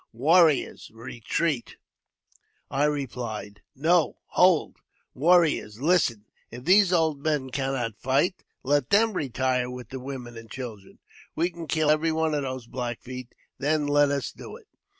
Warriors, retreat !" I replied, " No ; hold ! Warriors, listen ! If these old men cannot fight, let them retire with the women and children. We can kill every one of these Black Feet ; then let us do it.